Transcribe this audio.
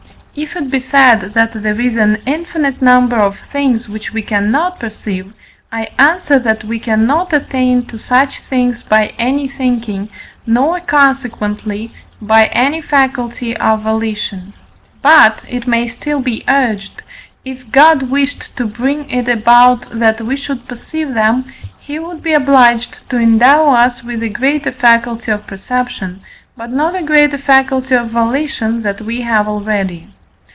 If it be said that there is an infinite number of things which we cannot perceive, I answer, that we cannot attain to such things by any thinking, nor, consequently, by any faculty of volition. But, it may still be urged, if God wished to bring it about that we should perceive them, he would be obliged to endow us with a greater faculty of perception, but not a greater faculty of volition than we have already.